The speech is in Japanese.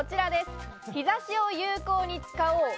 日差しを有効に使おう！